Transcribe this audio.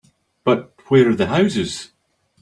But where are the houses?